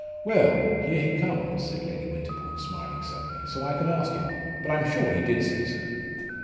"Well! here he comes," said Lady Winterbourne, smiling suddenly; "so I can ask him. But I am sure he did say so."